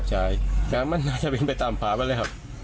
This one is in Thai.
ใช่ครับมันน่าจะเบนไปตามผาพเลยครับ